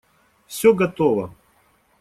Все готово.